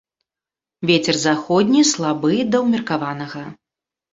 Вецер заходні слабы да ўмеркаванага.